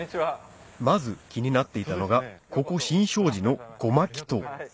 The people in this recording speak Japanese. まず気になっていたのがここ新勝寺の護摩祈祷